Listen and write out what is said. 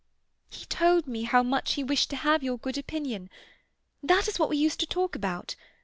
"He told me how much he wished to have your good opinion That is what we used to talk about.